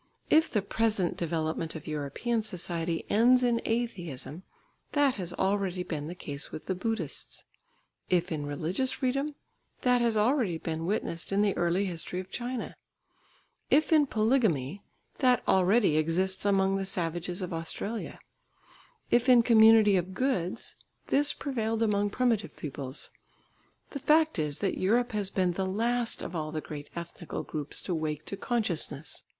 If the present development of European society ends in atheism, that has already been the case with the Buddhists; if in religious freedom, that has already been witnessed in the early history of China; if in polygamy, that already exists among the savages of Australia; if in community of goods, this prevailed among primitive peoples. The fact is that Europe has been the last of all the great ethnical groups to wake to consciousness.